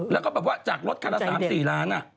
แล้วก็แบบว่าถัดรถค่าละสามสี่ล้าน